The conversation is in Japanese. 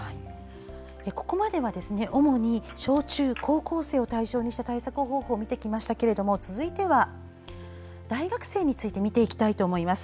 ここまでは主に小中高校生を対象にした対策方法を見てきましたけれども続いては大学生について見ていきます。